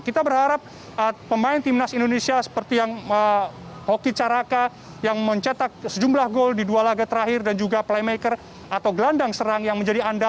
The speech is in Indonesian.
kita berharap pemain tim nasional indonesia seperti hoki caraka yang mencetak sejumlah gol di dua laga terakhir dan juga pleyme